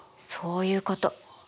そういうこと。